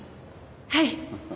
はい！